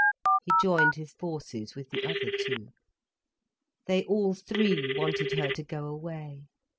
He joined his forces with the other two. They all three wanted her to go away.